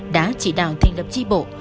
đã chỉ đạo thành lập tri bộ